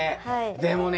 でもね